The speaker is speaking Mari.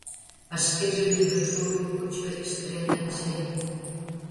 А шкеже, лӱдын, шорык поч гай чытыренат чай!